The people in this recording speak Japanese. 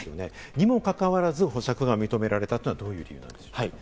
にもかかわらず保釈が認められたというのはどういうことでしょう？